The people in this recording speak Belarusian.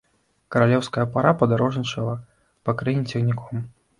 Каралеўская пара падарожнічала па краіне цягніком.